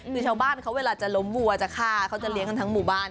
คือชาวบ้านเขาเวลาจะล้มวัวจะฆ่าเขาจะเลี้ยงกันทั้งหมู่บ้าน